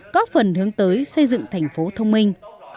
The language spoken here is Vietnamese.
có phần hướng tới xây dựng thành phố thông minh